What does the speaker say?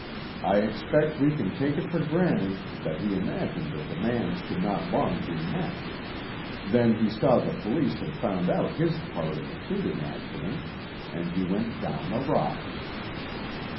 I expect we can take it for granted that he imagined the demands could not long be met. Then he saw the police had found out his part in the shooting accident and he went down the rocks."